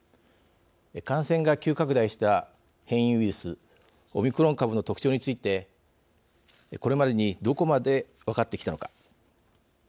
感染が急拡大した変異ウイルスオミクロン株の特徴についてこれまでにどこまで分かってきたのか。